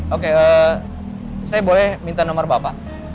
oke saya boleh minta nomor bapak